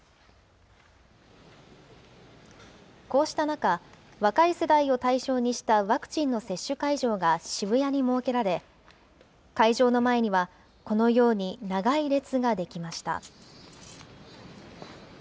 こうした中、若い世代を対象にしたワクチンの接種会場が渋谷に設けられ、会場の前にはこのように長い列が出来ました。